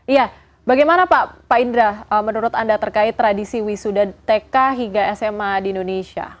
ya bagaimana pak indra menurut anda terkait tradisi wisuda tk hingga sma di indonesia